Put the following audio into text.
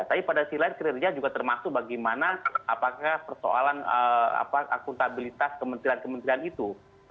tapi pada sisi lain kinerja juga termasuk bagaimana apakah persoalan akuntabilitas kementerian kementerian itu